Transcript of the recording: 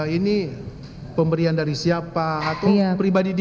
ini pemberian dari siapa atau pribadi dia